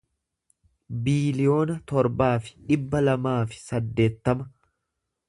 biiliyoona torbaa fi dhibba lamaa fi saddeettama